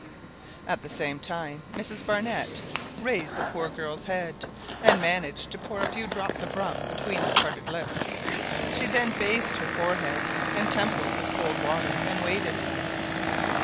At the same time Mrs Barnett raised the poor girl's head, and managed to pour a few drops of rum between her parted lips. She then bathed her forehead and temples with cold water, and waited.